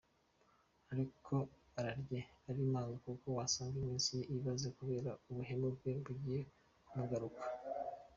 Ariko ararye ari manga kuko wasanga iminsi ye ibaze kubera ubuhemu bwe bugiye kumugaruka.